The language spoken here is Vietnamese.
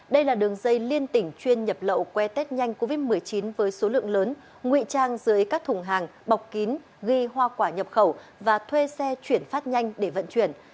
đây là đường dây liên tỉnh chuyên nhập lậu qua test nhanh covid một mươi chín với số lượng lớn nguy trang dưới các thùng hàng bọc kín ghi hoa quả nhập khẩu và thuê xe chuyển phát nhanh để vận chuyển